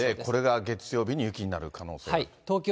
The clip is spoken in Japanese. これが月曜日に雪になる可能性があると。